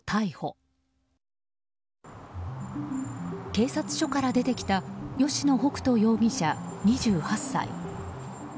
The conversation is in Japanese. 警察署から出てきた吉野北斗容疑者、２８歳。